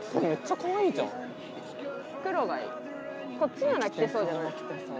こっちなら着てそうじゃない？着てそう。